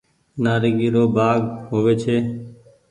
نآريگي رو ڀآگ هووي ڇي۔